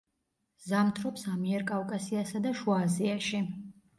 ზამთრობს ამიერკავკასიასა და შუა აზიაში.